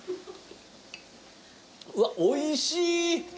うわっおいしい！